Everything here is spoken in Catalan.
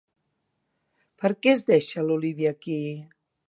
Per què es deixa l'Olivia aquí?